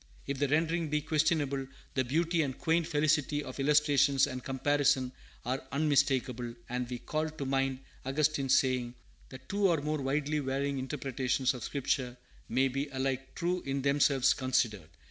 If the rendering be questionable, the beauty and quaint felicity of illustration and comparison are unmistakable; and we call to mind Augustine's saying, that two or more widely varying interpretations of Scripture may be alike true in themselves considered.